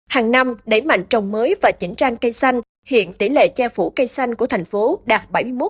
hàng năm đẩy mạnh trồng mới và chỉnh trang cây xanh hiện tỷ lệ che phủ cây xanh của thành phố đạt bảy mươi một